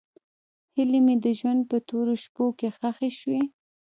هیلې مې د ژوند په تورو شپو کې ښخې شوې.